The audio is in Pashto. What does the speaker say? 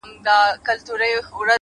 هوډ د شکونو پر وړاندې درېدنه ده!